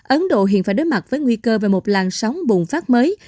ấn độ hiện phải đối mặt với nguy cơ về một làn sóng bùng phát mới